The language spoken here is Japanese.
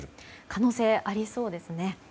可能性ありそうですね。